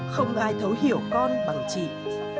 không ai thấu hiểu con bằng chút